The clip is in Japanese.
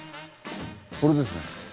これですね